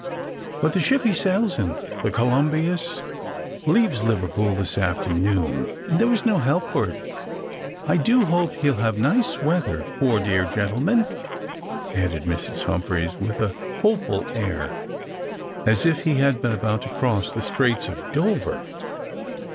But the ship he sails in— the Columbius —leaves Liverpool this afternoon, and there was no help for it. I do hope he'll have nice weather, poor dear gentleman !" added Mrs. Humphreys with a hopeful air, as if he had been about to cross the Straits of Dover.